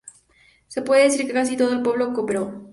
Se puede decir que casi todo el pueblo cooperó.